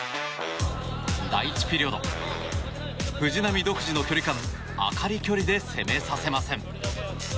第１ピリオド、藤波独自の距離感朱理距離で攻めさせません。